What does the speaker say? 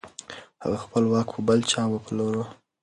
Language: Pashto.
هغه خپل واک په بل چا وپلوره.